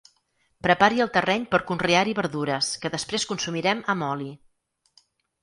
Prepari el terreny per conrear-hi verdures que després consumirem amb oli.